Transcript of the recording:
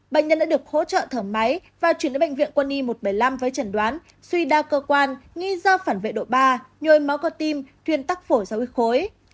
bệnh nhân đã được hỗ trợ thở máy và chuyển đến bệnh viện quân y một trăm bảy mươi năm với trần đoán suy đa cơ quan nghi do phản vệ độ ba nhôi máu cơ tim thuyền tắc phổi ra huyết khối